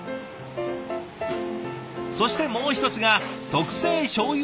そしてもう一つが特製しょうゆ